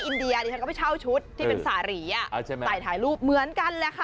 เคยใส่ด้วยแต่ลืม